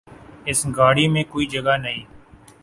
اس گاڑی میں کوئی جگہ نہیں